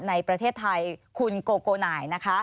ในประเทศไทยคุณโกโกไหน่